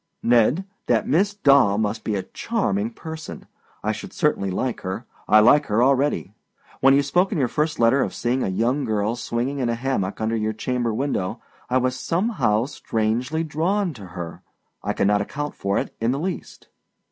Ned, that Miss Daw must be a charming person. I should certainly like her. I like her already. When you spoke in your first letter of seeing a young girl swinging in a hammock under your chamber window, I was somehow strangely drawn to her. I cannot account for it in the least.